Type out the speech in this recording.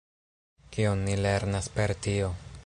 Kion ni lernas per tio?